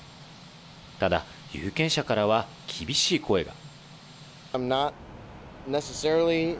ただ、有権者からは厳しい声が。